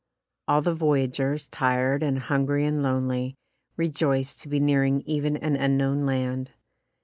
All the voyagers, tired and hungry and lonely, re j oiced to be nearing even an unknown land.